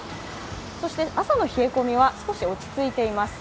そして朝の冷え込みは少し落ち着いています。